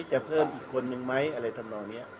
จะเพิ่มอีกคนนึงไหมอะไรทำนองนี้